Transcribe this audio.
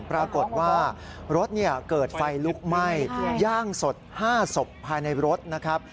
ปรากฏว่ารถเกิดไฟลุกไหม้ย่างสด๕ศพภายในรถนะครับ